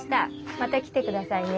また来てくださいね。